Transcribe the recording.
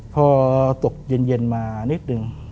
พอตกเย็นมานิดนึง